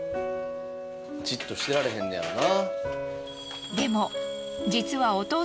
じっとしてられへんのやな。